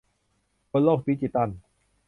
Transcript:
บนโลกดิจิทัล